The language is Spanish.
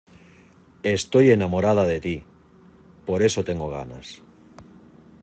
estoy enamorada de ti, por eso tengo ganas